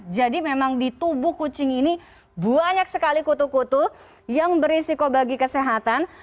memang di tubuh kucing ini banyak sekali kutu kutu yang berisiko bagi kesehatan